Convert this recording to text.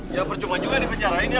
ya percuma juga dipenjarain ya